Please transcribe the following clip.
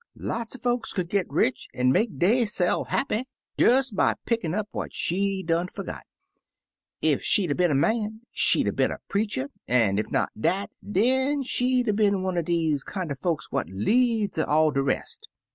Lots er folks could git rich an' make dey se'f happy des by pickin' up what she done 54 Taily Po forgot, Ef she'd 'a' been a man, she'd 'a* been a preacher, an' ef not dat, den she'd 'a' been one er deze kinder folks what leads all de rest.